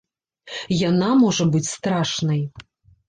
Яна можа быць страшнай.